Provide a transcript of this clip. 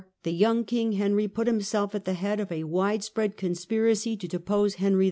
In 1104 the young King Henry put himself at of Henry the head of a widespread conspiracy to depose Henry IV.